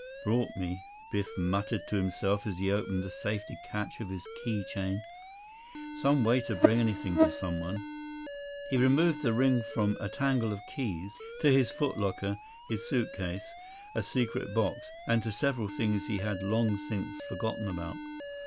"Brought me," Biff muttered to himself as he opened the safety catch of his key chain. "Some way to bring anything to someone!" He removed the ring from a tangle of keys—to his foot locker, his suitcase, a "secret" box, and to several things he had long since forgotten about.